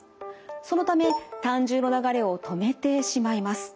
そのため胆汁の流れを止めてしまいます。